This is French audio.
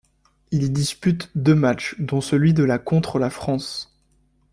Il y dispute deux matchs dont celui de la contre la France.